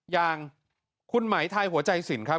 อย่างคุณหมายไทยหัวใจสินครับ